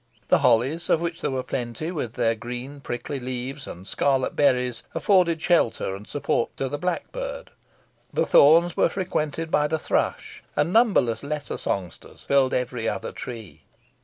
The hollies, of which there were plenty, with their green prickly leaves and scarlet berries, afforded shelter and support to the blackbird; the thorns were frequented by the thrush; and numberless lesser songsters filled every other tree.